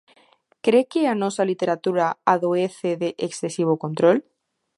Cre que a nosa literatura adoece de excesivo control?